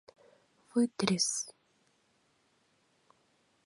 Вытрез...